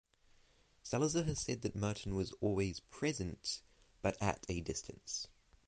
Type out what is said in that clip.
Zelizer has said that Merton was always present, but at a distance.